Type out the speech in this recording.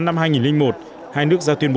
tháng tám năm hai nghìn một hai nước ra tuyên bố